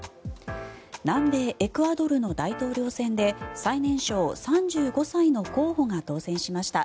南米エクアドルの大統領選で最年少３５歳の候補が当選しました。